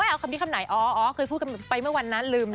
อ้าวคำนี้คำไหนอ๋อคือพูดไปเมื่อวันนั้นลืม